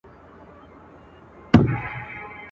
دایمی به یې وي برخه له ژوندونه..